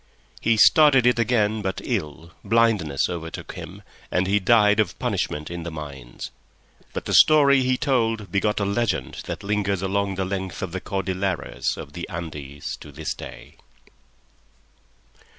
He started it again but ill, blindness overtook him, and he died of punishment in the mines; but the story he told begot a legend that lingers along the length of the Cordilleras of the Andes to this day.